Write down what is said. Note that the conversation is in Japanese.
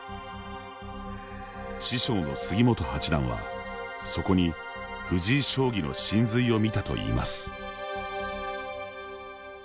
師匠の杉本八段は、そこに藤井将棋の神髄を見たといいます。